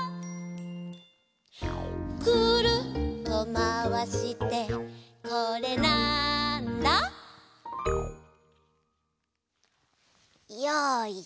「くるっとまわしてこれ、なんだ？」よいしょ。